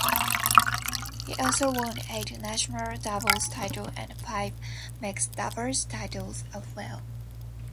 He also won eight national doubles title and five mixed doubles titles as well.